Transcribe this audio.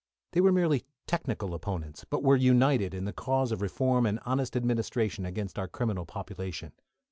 They were merely technical opponents, but were united in the cause of reform and honest administration against our criminal population.